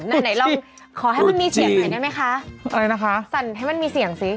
ไหนไหนลองขอให้มันมีเสียงหน่อยได้ไหมคะอะไรนะคะสั่นให้มันมีเสียงสิ